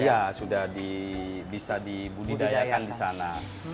iya sudah bisa dibudidayakan di sana